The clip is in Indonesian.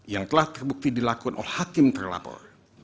yang telah terbukti dilakukan oleh hakim terlapor